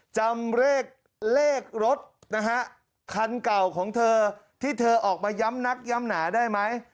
จำเลขรถนะฮะคันเก่าของเธอที่เธอออกมาย้ำนักย้ำหนาได้ไหม